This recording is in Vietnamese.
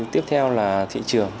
tiếp theo là thị trường